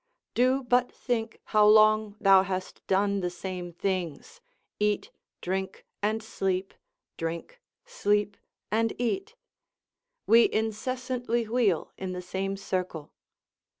Do but think how long thou hast done the same things, eat, drink, and sleep, drink, sleep, and eat: we incessantly wheel in the same circle.